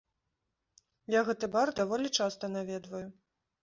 Я гэты бар даволі часта наведваю.